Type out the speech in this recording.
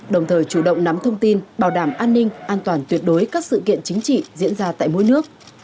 đồng thời chủ động nắm thông tin bảo đảm an ninh an toàn tuyệt đối các sự kiện chính trị diễn ra tại mỗi nước